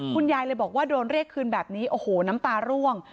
คุณยายเลยบอกว่าโดนเรียกคืนแบบนี้โอ้โหน้ำตาร่วง